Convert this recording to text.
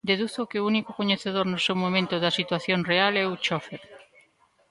Deduzo que o único coñecedor no seu momento da situación real é o chofer.